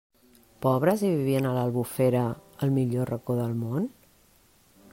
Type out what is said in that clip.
Pobres i vivien a l'Albufera, el millor racó del món?